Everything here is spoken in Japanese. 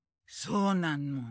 そうなの。